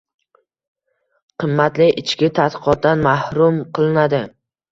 — qimmatli ichki tadqiqotdan mahrum qilinadi.